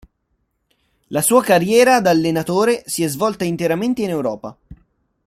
La sua carriera da allenatore si è svolta interamente in Europa.